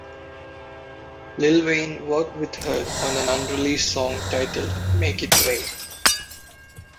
Lil Wayne worked with her on an unreleased song titled "Make It Rain".